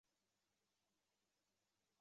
墨翟着书号墨子。